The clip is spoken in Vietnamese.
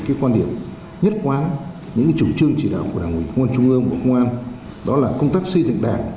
cái quan điểm nhất quán những chủ trương chỉ đạo của đảng ủy công an trung ương bộ công an đó là công tác xây dựng đảng